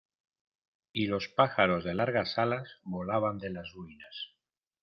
y los pájaros de largas alas volaban de las ruinas.